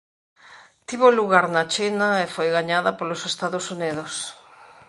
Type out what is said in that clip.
Tivo lugar na China e foi gañada polos Estados Unidos.